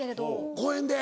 公園で？